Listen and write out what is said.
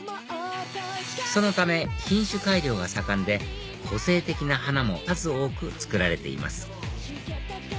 そのため品種改良が盛んで個性的な花も数多く作られています